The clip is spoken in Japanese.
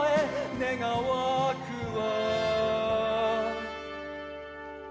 「願わくは」